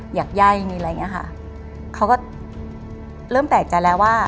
อยากไย่มีอะไรอย่างเงี้ยค่ะเขาก็เริ่มแปลกใจแล้วว่า